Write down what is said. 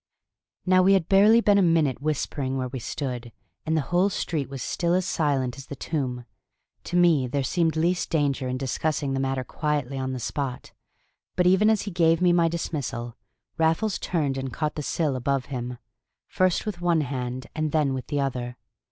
'" Now we had barely been a minute whispering where we stood, and the whole street was still as silent as the tomb. To me there seemed least danger in discussing the matter quietly on the spot. But even as he gave me my dismissal Raffles turned and caught the sill above him, first with one hand and then with the other.